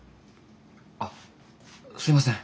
あっすみません。